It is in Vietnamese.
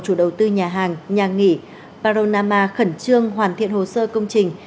chủ đầu tư nhà hàng nhà nghỉ paronama khẩn trương hoàn thiện hồ sơ công trình